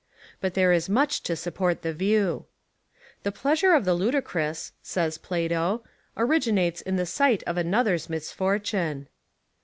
But there Is much to support the view. "The pleasure of the ludicrous," says Plato, "origi nates in the sight of another's misfortune."